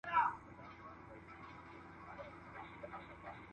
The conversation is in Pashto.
مونږ نظر د خپل سپين غر په هر يو ناو کړو